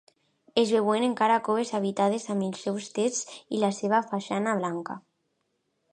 Es veuen encara coves habitades amb els seus tests i la seva façana blanca.